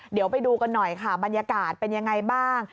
เดี๋ยวไปดูกันหน่อยค่ะบรรยากาศเป็นยังไงบ้าง